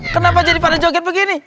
kenapa jadi pada joget begini